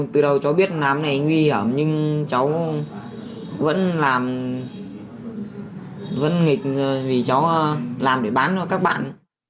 từ đầu cháu biết làm này nguy hiểm nhưng cháu vẫn nghịch vì cháu làm để bán cho các bạn